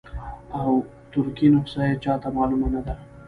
او ترکي نسخه یې چاته معلومه نه ده.